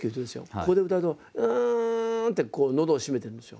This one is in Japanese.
ここで歌うと「ウン」ってこうのどを締めてるんですよ。